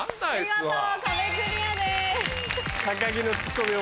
見事壁クリアです。